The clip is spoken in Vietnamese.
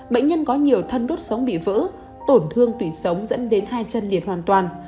bệnh nhân có nhiều thân đốt sống bị vỡ tổn thương tủy sống dẫn đến hai chân liệt hoàn toàn